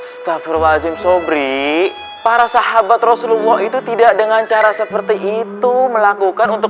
staffur wazim sobri para sahabat rasulullah itu tidak dengan cara seperti itu melakukan untuk